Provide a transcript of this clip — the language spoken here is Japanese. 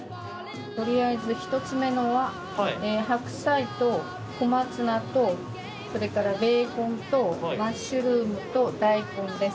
とりあえず１つ目のは白菜と小松菜とそれからベーコンとマッシュルームと大根です